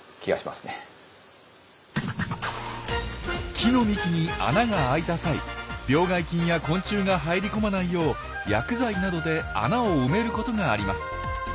木の幹に穴があいた際病害菌や昆虫が入り込まないよう薬剤などで穴を埋めることがあります。